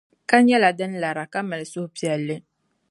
Ka nyɛla din lara, ka mali suhupɛlli.